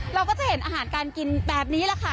เราก็จะเห็นอาหารการกินแบบนี้แหละค่ะ